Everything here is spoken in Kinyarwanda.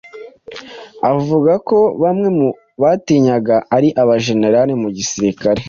Avuga ko bamwe mu bamutinyaga ari abajenerali mu gisirikare